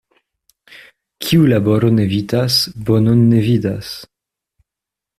Kiu laboron evitas, bonon ne vidas.